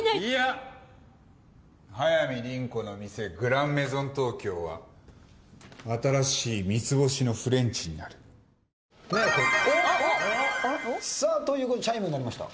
「早見倫子の店『グランメゾン東京』は新しい三つ星のフレンチになる」ということでチャイムが鳴りました。